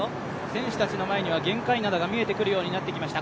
選手たちの前には玄界灘が見えてくるようになってきました。